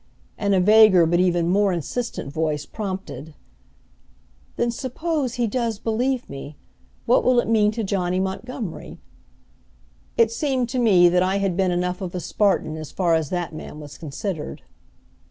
And a vaguer but even more insistent voice, prompted, "Then suppose he does believe me? What will it mean to Johnny Montgomery?" It seemed to me that I had been enough of a Spartan as far as that man was considered.